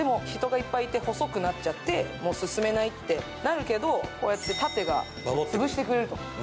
でも、人がいっぱいいて細くなっちゃって進めないってなるけど、こうやって盾が潰してくれる。